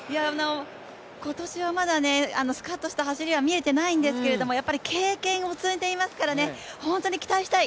今年はまだスカッとした走りは見えてないんですけど経験を積んでいますから、本当に期待したい。